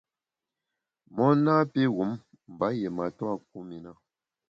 Mon napi wum mba yié matua kum i na.